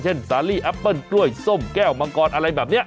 สาลีแอปเปิ้ลกล้วยส้มแก้วมังกรอะไรแบบนี้